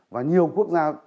và nhiều quốc gia